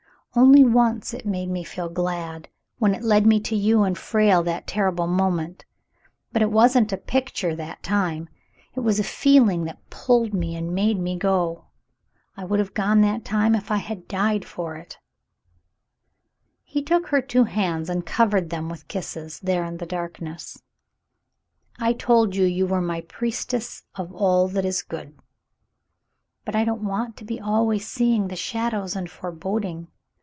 Only once it made me feel glad — when it led me to you and Frale that terrible moment. But it wasn't a picture that time; it was a feeling that pulled me and made me go. I would have gone that time if I had died for it." He took her two hands and covered them \\ath kisses, there in the darkness. "I told you you were my priestess of all that is good." 206 The Mountain Girl But I don't want to be always seeing the shadows and foreboding.